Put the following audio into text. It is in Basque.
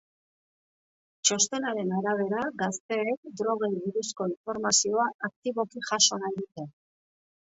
Txostenaren arabera, gazteek drogei buruzko informazioa aktiboki jaso nahi dute.